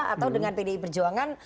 atau dengan pdi perjuangan